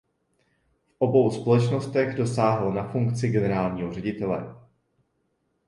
V obou společnostech dosáhl na funkci generálního ředitele.